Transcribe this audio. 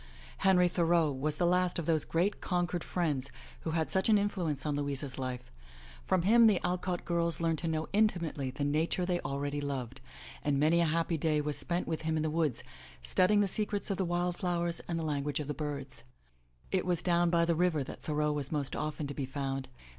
Henry Thoreau was the last of those great Concord friends who had such an influence on Louisa's life. From him the Alcott girls learned to know intimately the nature they already loved, and many a happy day was spent with him in the woods, studying the secrets of the wildflowers and the language of the birds. It was 17 MY BOOK HOUSE down by the river that Thoreau was most often to be found.